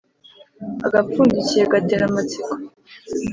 Agapfundikiye gatera amatsiko.